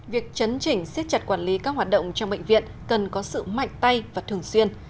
việc chấn chỉnh siết chặt quản lý các hoạt động trong bệnh viện cần có sự mạnh tay và thường xuyên